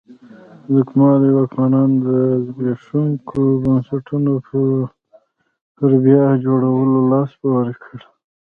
ځمکوالو واکمنانو د زبېښونکو بنسټونو پر بیا جوړولو لاس پورې کړ.